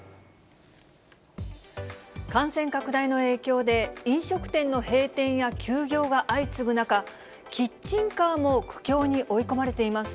感染拡大の影響で、飲食店の閉店や休業が相次ぐ中、キッチンカーも苦境に追い込まれています。